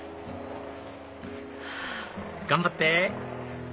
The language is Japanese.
頑張って！